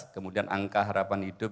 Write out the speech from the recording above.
enam belas kemudian angka harapan hidup